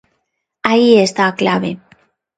Aí está a clave.